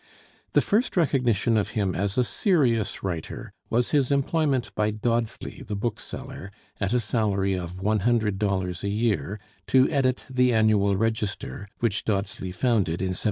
The first recognition of him as a serious writer was his employment by Dodsley the bookseller, at a salary of $100 a year, to edit the Annual Register, which Dodsley founded in 1769.